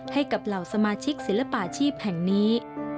ให้กับเหล่าสมาชิกศิลปาชีพแห่งนี้